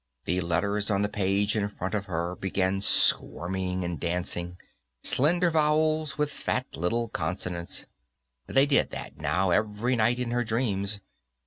The letters on the page in front of her began squirming and dancing, slender vowels with fat little consonants. They did that, now, every night in her dreams.